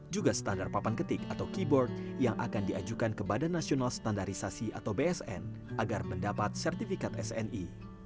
juga standar papan ketik atau keyboard yang akan diajukan ke badan nasional standarisasi atau bsn agar mendapat sertifikat sni